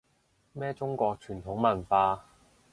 咩中國傳統文化